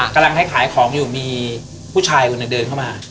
กำลังให้ขายของอยู่มีผู้ชายคนหนึ่งเดินเข้ามา